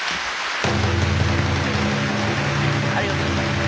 ありがとうございます。